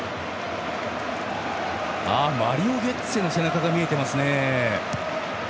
マリオ・ゲッツェの背中が見えます。